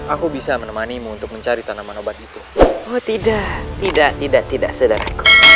aku bisa menemani mu untuk mencari tanaman obat itu oh tidak tidak tidak tidak saudara